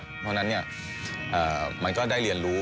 เพราะฉะนั้นมันก็ได้เรียนรู้